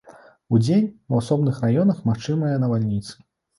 Удзень у асобных раёнах магчымыя навальніцы.